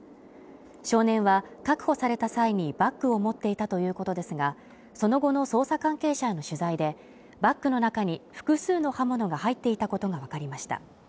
少年は確保された際にバッグを持っていたということですが、その後の捜査関係者への取材でバッグの中に複数の刃物が入っていたことがわかりました。